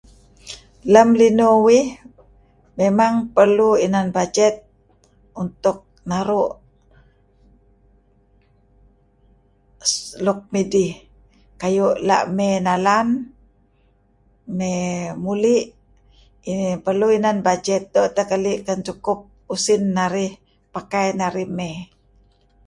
Lem linuh uih memang perlu inan bajet untuk naru' luk midih. Kayu' la' mey nalan, mey muli' perlu inan bajet doo' teh narih keli' ken sukup usin narih pakai narih mey.